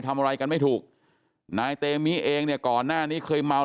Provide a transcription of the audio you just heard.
ทำอะไรกันไม่ถูกนายเตมิเองเนี่ยก่อนหน้านี้เคยเมา